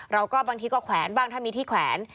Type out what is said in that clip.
บางทีก็แขวนบ้างถ้ามีที่แขวน